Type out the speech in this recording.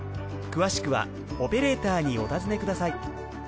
詳しくはオペレーターにお尋ねください。